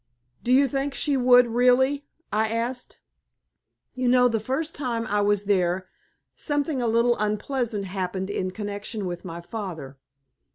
"Do you think she would, really?" I asked. "You know the first time I was there, something a little unpleasant happened in connection with my father.